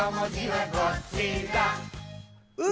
う！